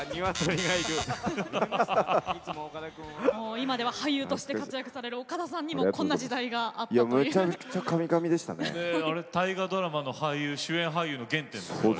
今では俳優として活躍される岡田さんにもこんな時代があったという。